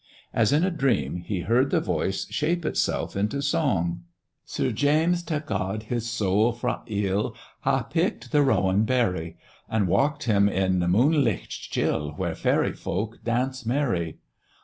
As in a dream he heard the voice shape itself into song : 28 THE dwarf's chamber Sir James, tae guard his soul fra ill, Hae plucked the rowan berry, And walked him, in the moonjicht chill. Where faery folk dance merry.